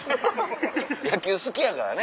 野球好きやからね。